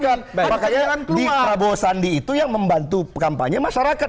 makanya prabowo sandi itu yang membantu kampanye masyarakat